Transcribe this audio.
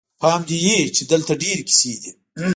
پام دې وي چې دلته ډېرې کیسې دي.